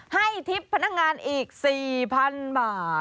ให้ทิพย์พนักงานอีก๔๐๐๐บาท